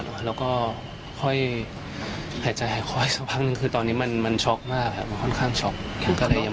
เดี๋ยวรอดูอาการคุณแม่ขอนะครับผม